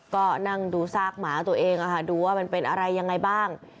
ก็นั่งดูซากหมาตัวเองดูว่ามันเป็นอะไรยังไงบ้าง